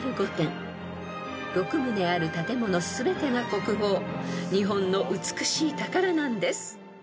［６棟ある建物全てが国宝日本の美しい宝なんです］